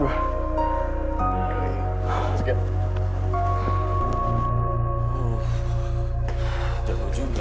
terima kasih bro